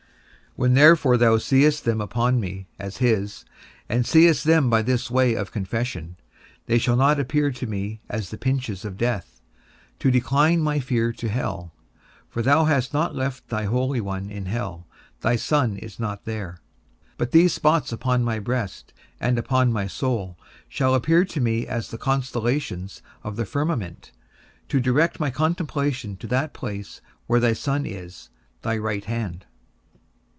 When therefore thou seest them upon me, as his, and seest them by this way of confession, they shall not appear to me as the pinches of death, to decline my fear to hell (for thou hast not left thy holy one in hell, thy Son is not there); but these spots upon my breast, and upon my soul, shall appear to me as the constellations of the firmament, to direct my contemplation to that place where thy Son is, thy right hand.